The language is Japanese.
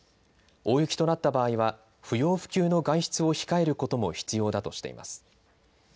大雪となった場合は不要不急の外出を控えることも必要だとしています。